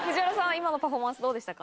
今のパフォーマンスどうでしたか？